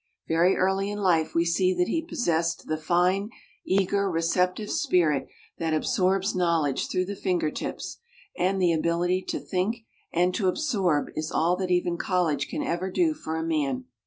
Very early in life we see that he possessed the fine, eager, receptive spirit that absorbs knowledge through the finger tips; and the ability to think and to absorb is all that even college can ever do for a man.